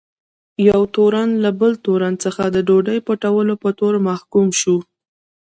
یو تورن له بل تورن څخه د ډوډۍ پټولو په تور محکوم شو.